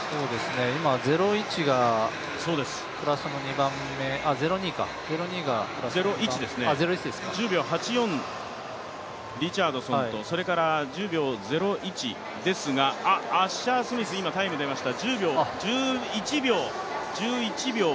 今０１がプラス１０秒８４、リチャードソンと１０秒０１ですが、アッシャースミス、今、タイム出ました。